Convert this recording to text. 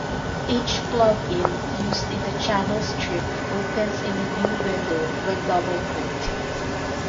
Each plug-in used in the channel strip opens in a new window when double-clicked.